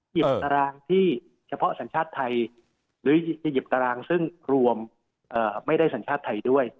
ตารางที่เฉพาะสัญชาติไทยหรือจะหยิบตารางซึ่งรวมไม่ได้สัญชาติไทยด้วย